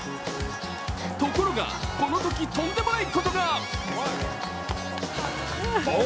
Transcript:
ところが、このとき、とんでもないことが。